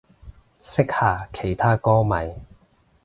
識下其他歌迷